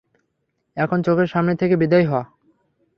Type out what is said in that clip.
এখন চোখের সামনে থেকে বিদেয় হ।